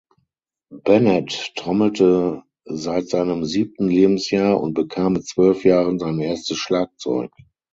Bennett trommelte seit seinem siebten Lebensjahr und bekam mit zwölf Jahren sein erstes Schlagzeug.